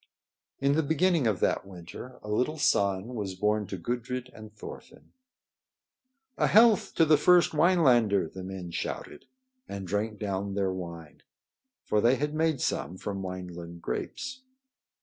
In the beginning of that winter a little son was born to Gudrid and Thorfinn. "A health to the first Winelander!" the men shouted and drank down their wine; for they had made some from Wineland grapes.